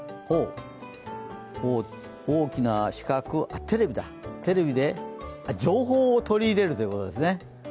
ほう、大きな四角のテレビで情報を取り入れるということですね。